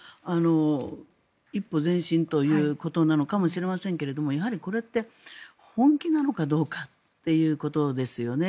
一歩前進ということなのかもしれませんがやはりこれって本気なのかどうかということですよね。